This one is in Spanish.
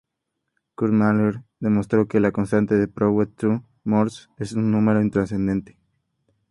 Kurt Mahler demostró que la constante de Prouhet–Thue–Morse es un número trascendente.